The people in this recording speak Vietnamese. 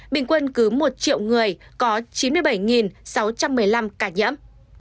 bình quân cứ một triệu người có chín mươi bảy sáu trăm một mươi năm ca nhiễm